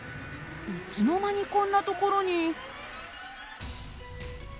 いつの間にこんな所に。